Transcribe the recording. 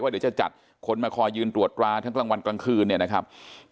เดี๋ยวจะจัดคนมาคอยยืนตรวจราทั้งกลางวันกลางคืนเนี่ยนะครับ